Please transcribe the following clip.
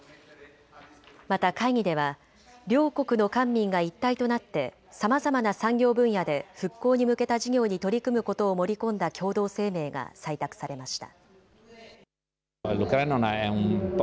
また会議では両国の官民が一体となってさまざまな産業分野で復興に向けた事業に取り組むことを盛り込んだ共同声明が採択されました。